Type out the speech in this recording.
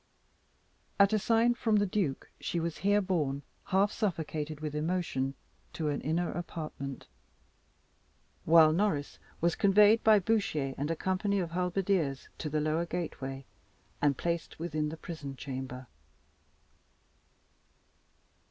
At a sign from the duke she was here borne, half suffocated with emotion, to an inner apartment, while Norris was conveyed by Bouchier and a company of halberdiers to the lower gateway, and placed within the prison chamber.